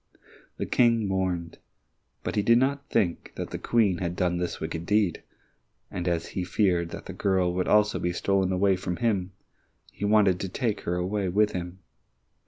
The King mourned, but he did not think that the Queen had done this wicked deed, and as he feared that the girl would also be stolen away from him, he wanted to take her away with him.